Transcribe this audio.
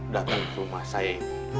datang ke rumah saya